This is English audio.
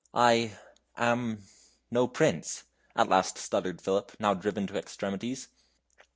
"I am no prince," at last stuttered Philip, now driven to extremities.